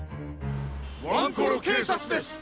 ワンコロけいさつです！